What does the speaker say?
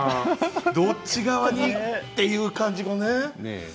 どっち側に？という感じがね。